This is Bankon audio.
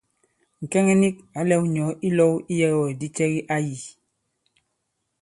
Ŋ̀kɛŋɛ nik ǎ lɛ̄k ŋ̀nyɔ̌ ilɔ̄w iyɛ̄wɛ̂kdi cɛ ki ā yī.